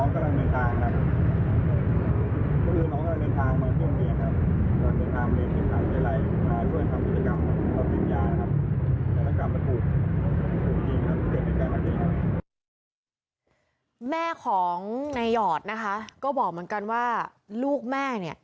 ควรอื่นของเขาจะการเรียนทางมาเที่ยวเรียนครับ